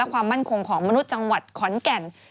ความมั่นคงของมนุษย์จังหวัดขอนแก่น